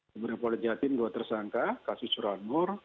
kemudian polda jatim dua tersangka kasus curah nur